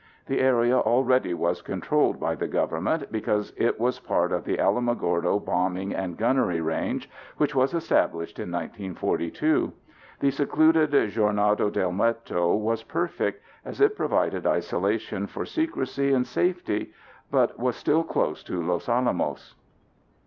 The area already was controlled by the government because it was part of the Alamogordo Bombing and Gunnery Range which was established in 1942. The secluded Jornado del Muerto was perfect as it provided isolation for secrecy and safety, but was still close to Los Alamos.